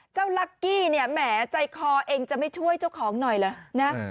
ลักกี้เนี่ยแหมใจคอเองจะไม่ช่วยเจ้าของหน่อยเหรอนะ